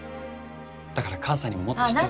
だから母さんにももっと知って。